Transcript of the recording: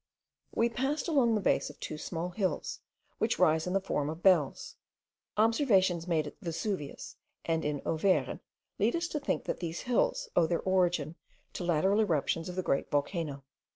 We passed along the base of two small hills, which rise in the form of bells. Observations made at Vesuvius and in Auvergne lead us to think that these hills owe their origin to lateral eruptions of the great volcano.